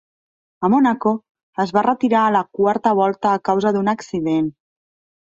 A Mònaco, es va retirar a la quarta volta a causa d'un accident.